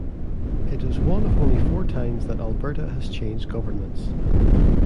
It was one of only four times that Alberta has changed governments.